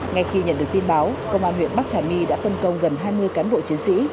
ngay khi nhận được tin báo công an huyện bắc trà my đã phân công gần hai mươi cán bộ chiến sĩ